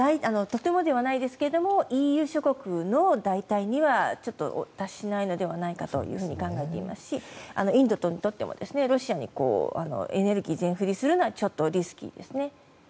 とてもではないですがＥＵ諸国の代替にはちょっと達しないのではないかと考えていますしインドにとってもロシアにエネルギーを全振りするのはちょっとリスキーですね。